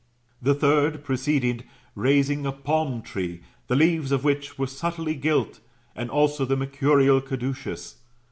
The third proceeded raising a palm tree, the leaves of which were subtilely gilt, and also the Mercurial caduceus.